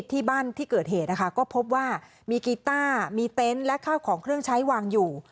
ที่บ้านที่เกิดเหตุนะคะก็พบว่ามีกีต้ามีเต็นต์และข้าวของเครื่องใช้วางอยู่